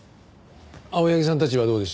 青柳さんたちはどうでした？